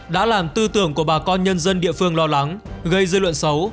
đã làm tư tưởng của bà con nhân dân địa phương lo lắng gây dư luận xấu